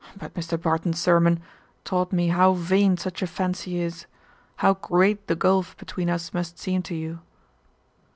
But Mr. Barton's sermon taught me how vain such a fancy is, how great the gulf between us must seem to you."